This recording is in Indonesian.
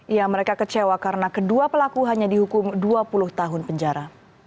ya mereka kecewa karena kedua pelaku hanya dihukum dua puluh tahun penjara